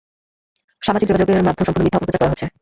সামাজিক যোগাযোগ মাধ্যমে সম্পূর্ণ মিথ্যা অপপ্রচার করা হচ্ছে।